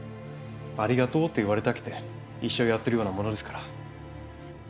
「ありがとう」と言われたくて医者をやっているようなものですから。